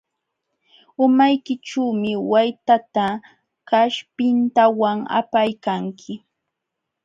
Umaykićhuumi waytata kaspintawan apaykanki.